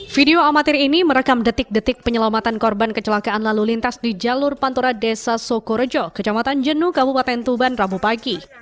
video amatir ini merekam detik detik penyelamatan korban kecelakaan lalu lintas di jalur pantura desa sokorejo kecamatan jenu kabupaten tuban rabu pagi